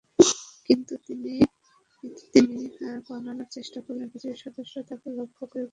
কিন্তু তিনি পালানোর চেষ্টা করলে বিজিবি সদস্যরা তাঁকে লক্ষ্য করে গুলি করেন।